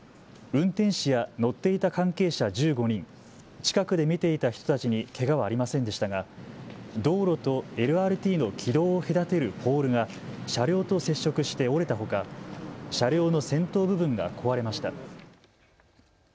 運転士や乗っていた関係者１５人、近くで見ていた人たちにけがはありませんでしたが道路とＬＲＴの軌道を隔てるポールが車両と接触して折れたほか車両の先頭部分が壊れました。